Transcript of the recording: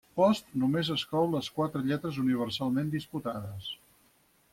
Post només exclou les quatre lletres universalment disputades.